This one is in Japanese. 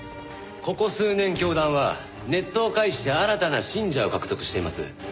ここ数年教団はネットを介して新たな信者を獲得しています。